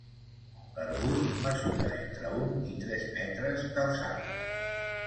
L'arbust mesura entre un i tres metres d'alçada.